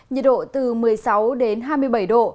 nhiệt độ từ một mươi sáu đến hai mươi bảy độ